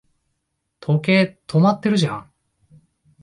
時計、止まってるじゃん